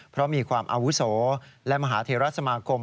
เพราะมีความอาวุโสและมหาเทราสมาคม